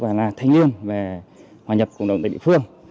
và là thanh niên về hòa nhập cộng đồng tại địa phương